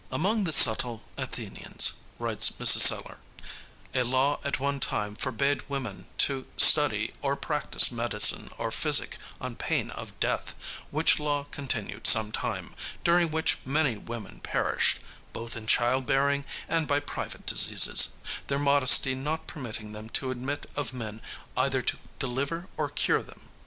"Among the subtile Athenians," writes Mrs. Celleor, "a law at one time forbade women to study or practice medicine or physick on pain of death, which law continued some time, during which many women perished, both in child bearing and by private diseases, their modesty not permitting them to admit of men either to deliver or cure them.